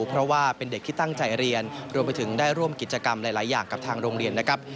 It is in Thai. เพราะว่าเป็นเด็กที่ตั้งใจเรียนรวมไปถึงได้ร่วมกิจกรรมหลายอย่างกับทางโรงเรียนนะครับ